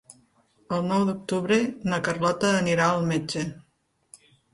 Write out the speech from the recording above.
El nou d'octubre na Carlota anirà al metge.